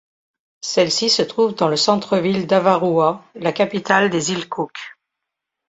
Celle-ci se trouve dans le centre-ville d'Avarua, la capitale des Îles Cook.